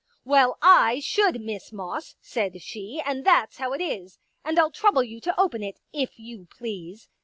" Well, I should, Miss Moss," said she, '* and that's how it is. And I'll trouble you to open it, if you please.